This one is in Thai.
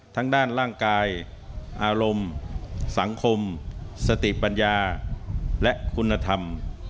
ทั้งด้านร่างกายอารมณ์สังคมสติปัญญาและคุณธรรม